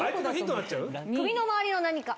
首の周りの何か。